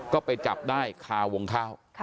ก็ไปจับได้คาวงข้าว